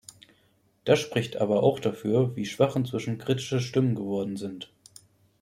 Das spricht aber auch dafür, wie schwach inzwischen kritische Stimmen geworden sind.